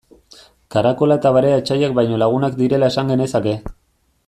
Karakola eta barea etsaiak baino lagunak direla esan genezake.